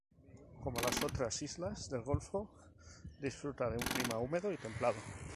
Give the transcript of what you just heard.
Como las otras islas del golfo, disfruta de un clima húmedo y templado.